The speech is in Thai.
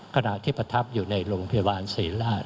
ขณะที่ประทับอยู่ในโรงพยาบาลศรีราช